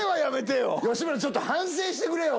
吉村ちょっと反省してくれよ！